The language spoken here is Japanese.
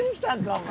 お前。